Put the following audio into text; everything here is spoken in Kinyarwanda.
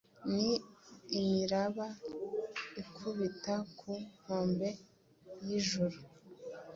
Ni Imiraba ikubita ku nkombe y'Ijuru.